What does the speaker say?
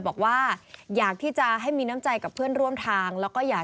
บอกว่าอยากที่จะให้มีน้ำใจกับเพื่อนร่วมทาง